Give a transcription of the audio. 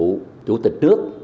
của chủ tịch nước